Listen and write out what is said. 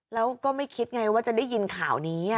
แล้วก็ไม่คิดไงว่าจะได้ยินข่าวนี้